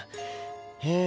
へえ。